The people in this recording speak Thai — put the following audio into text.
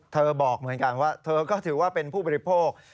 บอกเหมือนกันว่าเธอก็ถือว่าเป็นผู้บริโภค